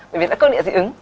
bởi vì nó cơ địa dị ứng